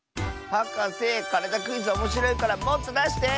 はかせ「からだクイズ」おもしろいからもっとだして！